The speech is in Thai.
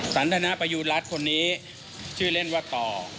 สัญญาณประยุรัติคนนี้ชื่อเล่นว่าต่อ